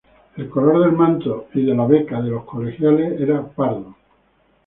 El color del manto y de la beca de los colegiales era pardo.